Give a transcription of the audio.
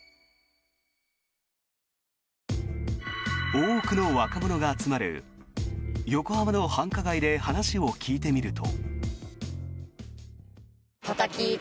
多くの若者が集まる横浜の繁華街で話を聞いてみると。